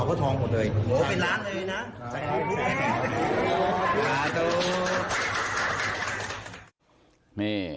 โอ้โหเป็นล้านเลยนะใส่ล้างให้พูดแม่